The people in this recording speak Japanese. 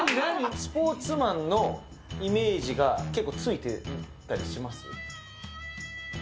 スポーツマンのイメージが結構ついてたりします？